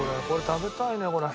食べたいねこれ。